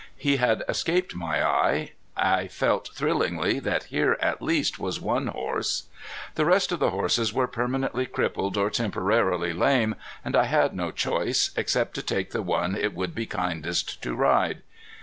He had escaped my eye. I felt thrillingly that here at least was one horse. The rest of the horses were permanently crippled or temporarily lame, and I had no choice, except to take the one it would be kindest to ride.